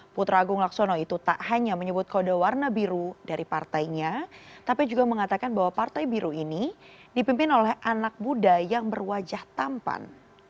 putra agung laksono itu tak hanya menyebut kode warna biru dari partainya tapi juga mengatakan bahwa partai biru ini dipimpin oleh anak muda yang berwajah tampan